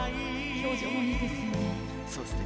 表情もいいですよね。